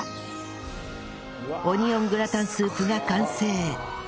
オニオングラタンスープが完成